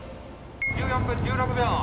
１４分１６秒。